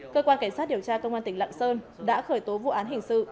cơ quan cảnh sát điều tra công an tỉnh lạng sơn đã khởi tố vụ án hình sự